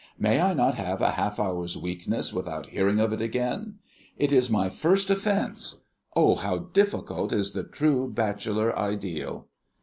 May I not have a half hour's weakness without hearing of it again? It is my first offence. Oh, how difficult is the true Bachelor Ideal!"